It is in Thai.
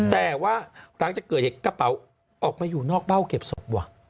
แต่ว่าหลังจากเกิดเหตุกระเป๋าออกมาอยู่นอกเบ้าเก็บศพว่ะ